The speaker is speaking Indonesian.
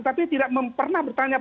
tapi tidak pernah bertanggung jawab